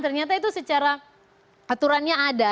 ternyata itu secara aturannya ada